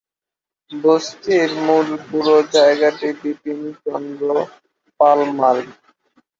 বসতির মূল পুরো জায়গাটি বিপিন চন্দ্র পাল মার্গ।